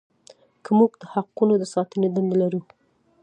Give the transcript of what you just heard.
که موږ د حقوقو د ساتنې دنده لرو.